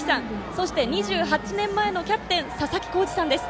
そして２８年前のキャプテンささきこうじさんです。